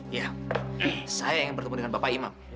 ya saya ingin bertemu dengan bapak imam